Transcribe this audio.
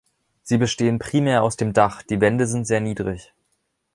Sie bestehen primär aus dem Dach, die Wände sind sehr niedrig.